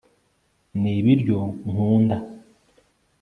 nibiryo nkunda